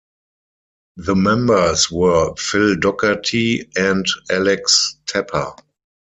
The members were Phil Dockerty and Alex Tepper.